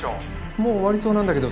もう終わりそうなんだけど